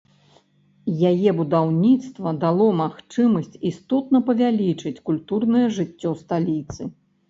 Яе будаўніцтва дало магчымасць істотна павялічыць культурнае жыццё сталіцы.